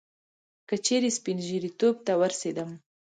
که چیري سپين ژیرتوب ته ورسېدم